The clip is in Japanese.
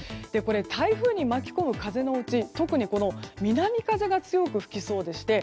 台風に巻き込む風のうち特に南風が強く吹きそうでして